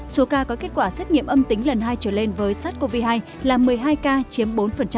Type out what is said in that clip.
số ca có kết quả xét nghiệm âm tính lần hai trở lên với sars cov hai là một mươi hai ca chiếm bốn